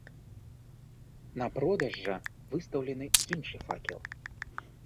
На продаж жа выстаўлены іншы факел.